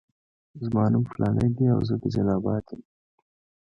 زما نوم فلانی دی او زه د جلال اباد یم.